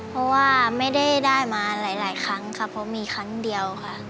เพราะว่าไม่ได้ได้มาหลายครั้งค่ะเพราะมีครั้งเดียวค่ะ